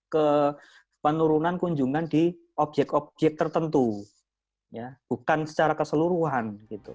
ke penurunan kunjungan di objek objek tertentu bukan secara keseluruhan gitu